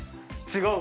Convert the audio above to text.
違う？